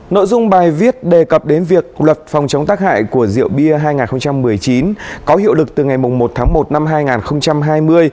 nội dung bài viết đề cập đến việc luật phòng chống tác hại của rượu bia hai nghìn một mươi chín có hiệu lực từ ngày một tháng một năm hai nghìn hai mươi